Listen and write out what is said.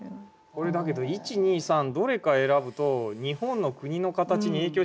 これだけど１２３どれか選ぶと日本の国の形に影響しますよね。